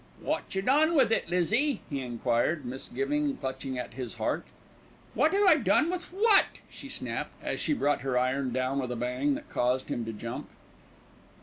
"Wot you done with it, Lizzie?" he enquired, misgiving clutching at his heart. "What have I done with what?" she snapped, as she brought her iron down with a bang that caused him to jump.